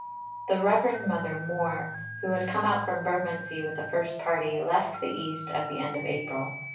The Reverend Mother (Moore), who had come out from Bermondsey with the first party, left the East at the end of April.